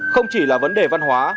không chỉ là vấn đề văn hóa